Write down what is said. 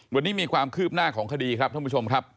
วันนี้มีความคืบหน้าของคดีครับท่านผู้ชมครับ